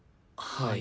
はい。